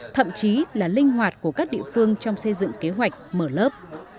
thậm chí là linh hoạt của các địa phương trong xây dựng kế hoạch mở lớp